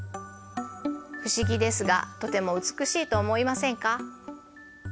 不思議ですがとても美しいと思いませんか？